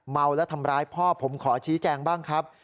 เมาและทำร้ายพ่อผมขอชี้แจงบ้างครับ